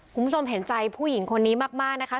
คุณผู้ชมเห็นใจผู้หญิงคนนี้มากนะคะ